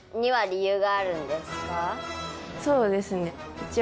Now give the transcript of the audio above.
そうですね一応。